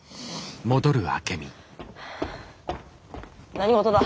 何事だ。